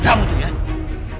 kamu tuh ya